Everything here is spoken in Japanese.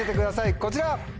こちら！